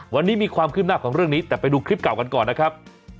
วันนี้มีความคืบหน้าของเรื่องนี้แต่ไปดูคลิปเก่ากันก่อนนะครับ